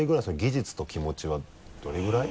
技術と気持ちはどれぐらい？